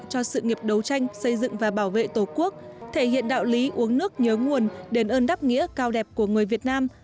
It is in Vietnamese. cho sự nghiệp đấu tranh xây dựng và bảo vệ tổ quốc thể hiện đạo lý uống nước nhớ nguồn đền ơn đáp nghĩa cao đẹp của người việt nam